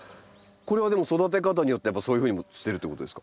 これはでも育て方によってやっぱそういうふうにしてるってことですか？